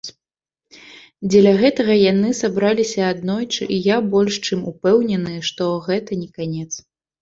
Дзеля гэтага яны сабраліся аднойчы, і я больш чым упэўнены, што гэта не канец.